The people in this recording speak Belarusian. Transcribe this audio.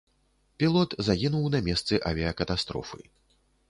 Пілот загінуў на месцы авіякатастрофы.